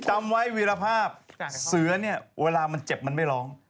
จำไว้วีรภาพเสือเนี่ยเวลามันเจ็บมันไม่ร้อง